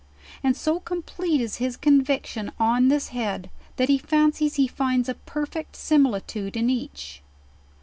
And so complete is his conviction on this head, that he fancies hfr finds a perfect similitude in each.